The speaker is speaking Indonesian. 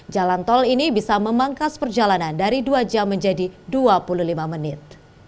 jalan tol ini bisa memangkas perjalanan dari dua jam menjadi dua puluh lima menit